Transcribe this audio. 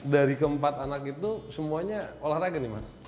dari keempat anak itu semuanya olahraga nih mas